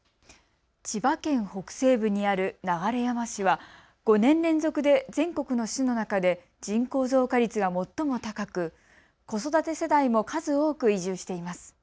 千葉県北西部にある流山市は５年連続で全国の市の中で人口増加率が最も高く子育て世代も数多く移住しています。